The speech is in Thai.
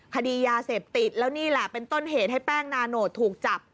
คดียาเสพติดแล้วนี่แหละเป็นต้นเหตุให้แป้งนาโนตถูกจับ